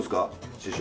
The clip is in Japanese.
師匠。